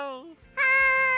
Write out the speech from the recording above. はい！